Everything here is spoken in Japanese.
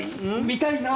見たいな！